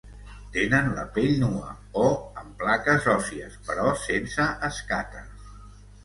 Tenen la pell nua o amb plaques òssies, però sense escates.